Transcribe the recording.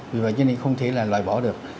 vì vậy cho nên không thể là loại bỏ được